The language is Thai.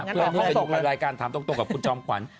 เพื่อที่ไปดูรายการถามตรงกับคุณจอมขวัญ